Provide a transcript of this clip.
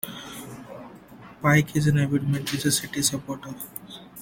Pike is an avid Manchester City supporter.